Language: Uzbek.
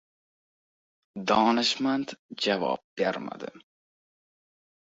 Donishmand javob bermadi